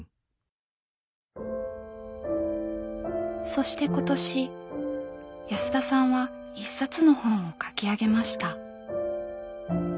そして今年安田さんは一冊の本を書き上げました。